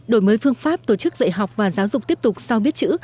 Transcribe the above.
đổi mới phương pháp tổ chức dạy học và giáo dục tiếp tục sau biết chữ